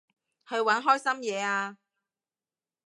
去搵開心嘢吖